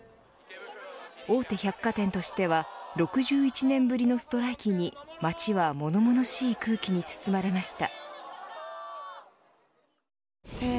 大手百貨店としては６１年ぶりのストライキに街は物々しい空気に包まれました。